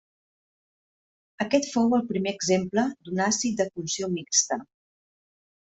Aquest fou el primer exemple d'un àcid de funció mixta.